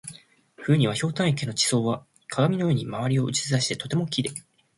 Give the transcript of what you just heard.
冬には、ひょうたん池の表層は鏡のように周りを写し出しとてもきれい。